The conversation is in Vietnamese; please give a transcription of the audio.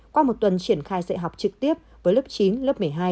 qua một tuần triển khai dạy học trực tiếp với lớp chín lớp một mươi hai